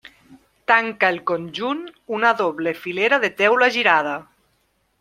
Tanca el conjunt una doble filera de teula girada.